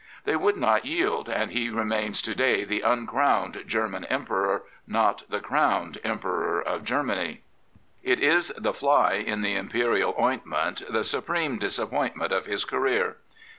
They would not yield, and he remains to day the uncrowned German Emperor, not the crowned Emperor of Germany. It is the fly in the Imperial ointment, the supreme dis appointment of his career.